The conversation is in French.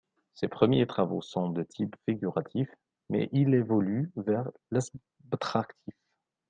Ses premiers travaux sont de type figuratif mais il évolue vers l'asbtractif.